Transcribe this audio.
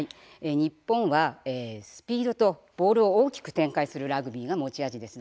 日本はスピードとボールを大きく展開するラグビーが持ち味です。